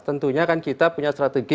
tentunya kan kita punya strategi